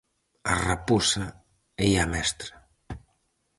A raposa e a mestra.